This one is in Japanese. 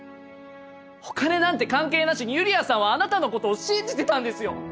お金なんて関係なしにユリアさんはあなたの事を信じてたんですよ！